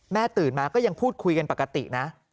ตื่นมาก็ยังพูดคุยกันปกตินะ